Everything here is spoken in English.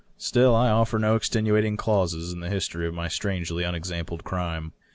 Still, I offer no extenuating clauses in this the history of my strangely unexampled crime.